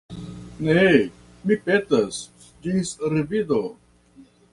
Ne, mi petas: ĝis revido!